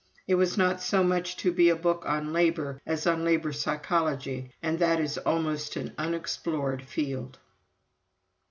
It was not so much to be a book on Labor as on Labor Psychology and that is almost an unexplored field.